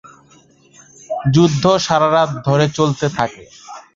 যুদ্ধ সারা রাত ধরে চলতে থাকে।